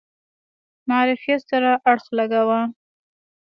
معرفت سره اړخ لګاوه.